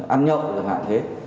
ăn nhậu hạ thế